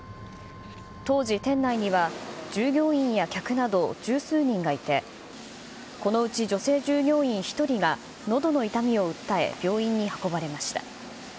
当時、店内には従業員や客など十数人がいて、このうち女性従業員１人がのどの痛みを訴え、病院に運ばれました。